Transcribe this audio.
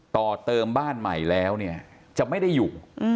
ต่อเติมบ้านใหม่แล้วเนี่ยจะไม่ได้อยู่